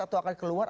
atau akan keluar